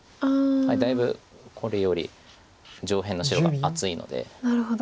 だいぶこれより上辺の白が厚いので。